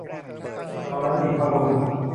เอาน้ำเย็นเข้าลูบ